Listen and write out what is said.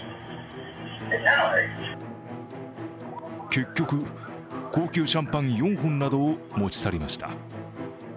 結局、高級シャンパン４本などを持ち去りました。